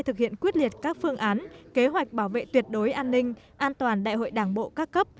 thực hiện quyết liệt các phương án kế hoạch bảo vệ tuyệt đối an ninh an toàn đại hội đảng bộ các cấp